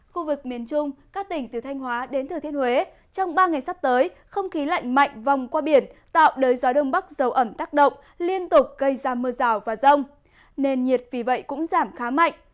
khu vực miền trung các tỉnh từ thanh hóa đến thừa thiên huế trong ba ngày sắp tới không khí lạnh mạnh vòng qua biển tạo đời gió đông bắc dầu ẩm tác động liên tục gây ra mưa rào và rông nền nhiệt vì vậy cũng giảm khá mạnh